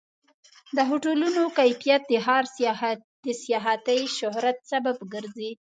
د هوټلونو کیفیت د ښار د سیاحتي شهرت سبب ګرځي.